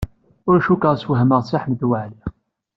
Ur cikkeɣ swehmeɣ Si Ḥmed Waɛli.